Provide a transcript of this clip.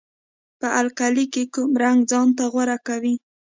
په القلي کې کوم رنګ ځانته غوره کوي؟